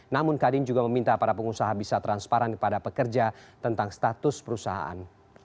namun kadin juga meminta para pengusaha bisa transparan kepada pekerja tentang status perusahaan